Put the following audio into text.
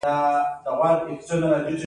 د هغه مقام څرګند شوی دی.